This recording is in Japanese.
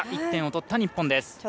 １点を取った日本です。